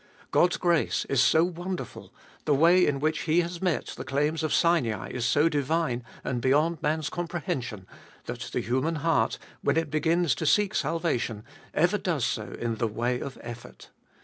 God's grace is so wonderful, the way in which He has met the claims of Sinai is so divine and beyond man's comprehension, that the human heart, when it begins to seek salvation, ever does so in the way of effort.